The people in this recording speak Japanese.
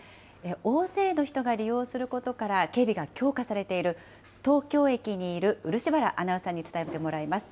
大勢の人が利用することから、警備が強化されている東京駅にいる漆原アナウンサーに伝えてもらいます。